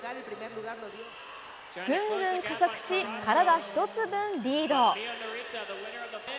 ぐんぐん加速し、体一つ分リード。